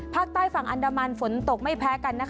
ภาคใต้ฝั่งอันดามันฝนตกไม่แพ้กันนะคะ